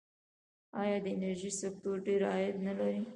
آیا د انرژۍ سکتور ډیر عاید نلري؟